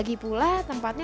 siap siap pak